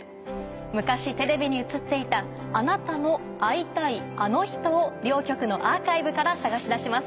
昔テレビに映っていたアナタの会いたいあの人を両局のアーカイブから捜し出します。